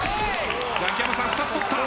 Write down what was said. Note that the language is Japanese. ザキヤマさん２つ取った。